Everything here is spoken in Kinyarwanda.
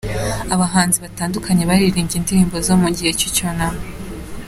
Abahanzi batandukanye baririmbye indirimbo zo mu gihe cy'icyunamo .